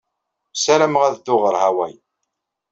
Ssarameɣ ad dduɣ ɣer Hawai.